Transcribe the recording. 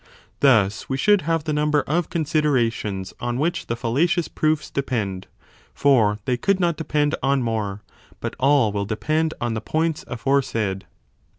Thus we should have the number of con siderations on which the fallacious proofs depend : for they 10 could not depend on more, but all will depend on the points aforesaid.